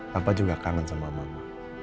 papa juga kangen sama mama